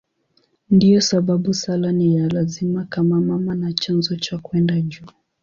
Ndiyo sababu sala ni ya lazima kama mama na chanzo cha kwenda juu.